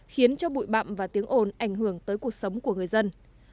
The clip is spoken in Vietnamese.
khiến cho bụi bạm và tiếng ồn ảnh hưởng tới cuộc sống của người dân